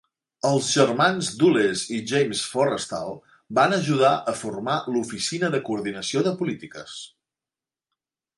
Els germans Dulles i James Forrestal van ajudar a formar l'Oficina de Coordinació de Polítiques.